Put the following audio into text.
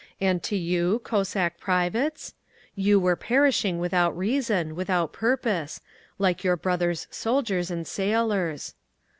And to you, Cossack privates? You were perishing without reason, without purpose, like your brothers soldiers and sailors.